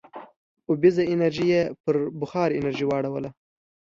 اوبیزه انرژي یې پر بخار انرژۍ واړوله.